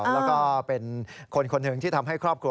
แล้วก็เป็นคนคนหนึ่งที่ทำให้ครอบครัว